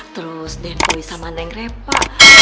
terus deh boy sama neng reva